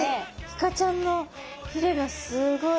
イカちゃんのひれがすごい。